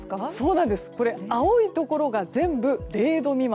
青いところが全部０度未満。